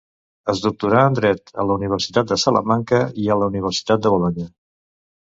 Es doctorà en Dret a la Universitat de Salamanca i a la d'Universitat de Bolonya.